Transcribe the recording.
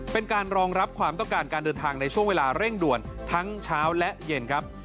เป็นการรองรับความต้องการการเดินทางในช่วงเวลาเร่งด่วนทั้งเช้าและเย็นครับ